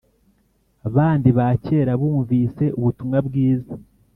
bandi ba kera bumvise ubutumwa bwiza